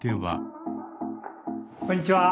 こんにちは。